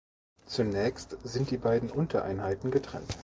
Zunächst sind die beiden Untereinheiten getrennt.